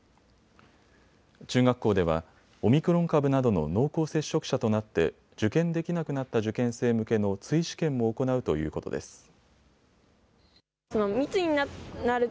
中学校ではオミクロン株などの濃厚接触者となって受験できなくなった受験生向けの追試験も行うということです。